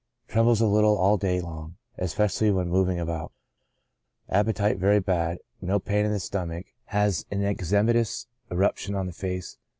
Trembles a little all day long, especially when moving about. Appetite very bad. No pain in the stomach. Has an eczematous eruption on the face.